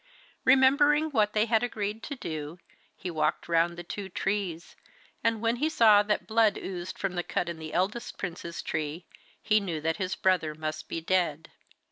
Remembering what they had agreed to do, he walked round the two trees, and when he saw that blood oozed from the cut in the eldest prince's tree he knew that his brother must be dead.